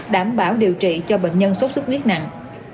đảm bảo điều trị cho bệnh nhân sốt xuất huyết nặng